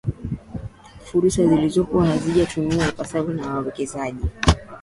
furusa zilizopo hazijatumiwa ipasavyo na wawekezaji